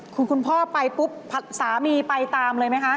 คือคุณพ่อไปปุ๊บสามีไปตามเลยไหมคะ